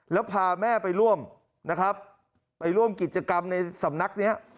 แล้วพาแม่ไปร่วมขิตกรรมในสำนัก